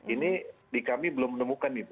ini di kami belum menemukan itu